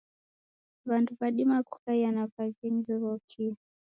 Wandu wadima kukaia na waghenyi wighokie.